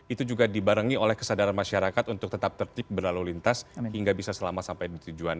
itu juga dibarengi oleh kesadaran masyarakat untuk tetap tertib berlalu lintas hingga bisa selamat sampai di tujuan